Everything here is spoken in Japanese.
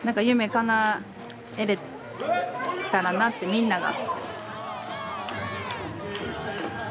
みんなが。